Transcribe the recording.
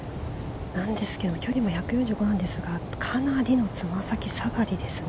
なんですけど距離も１４５なんですがかなりのつま先下がりですね。